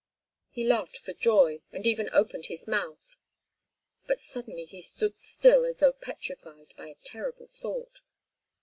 He laughed for joy, and even opened his mouth—but suddenly he stood still as though petrified by a terrible thought.